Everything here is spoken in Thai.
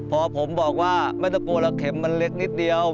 พอผมบอกว่าแม่ตะโกระเข็มมันเล็กนิดเดียว